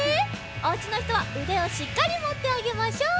おうちのひとはうでをしっかりもってあげましょう。